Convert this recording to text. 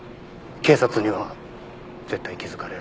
警察には絶対気づかれるな。